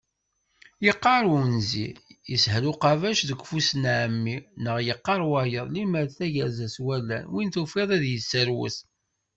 Yeqqar unzi: Yeshel uqabac deg ufus n Ɛemmi neɣ yeqqar wayeḍ: Limmer tayerza s wallen, win tufiḍ ad yesserwet.